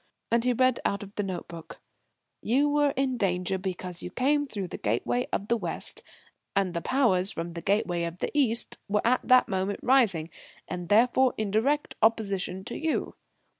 And he read out of the note book: "'You were in danger because you came through the Gateway of the West, and the Powers from the Gateway of the East were at that moment rising, and therefore in direct opposition to you.'"